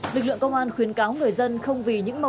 lực lượng công an khuyến cáo người dân không vì những mong muốn